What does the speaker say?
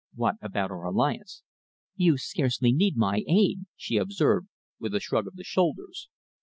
"What about our alliance?" "You scarcely need my aid," she observed, with a shrug of the shoulders.